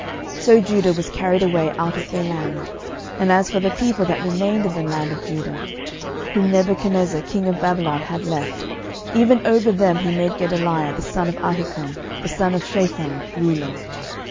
So Judah was carried away out of their land. 12:025:022 And as for the people that remained in the land of Judah, whom Nebuchadnezzar king of Babylon had left, even over them he made Gedaliah the son of Ahikam, the son of Shaphan, ruler.